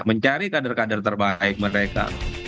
mencari kader kader terbaik mereka